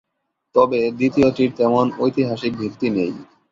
তবে দ্বিতীয়টির তেমন ঐতিহাসিক ভিত্তি নেই।